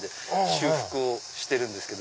修復してるんですか？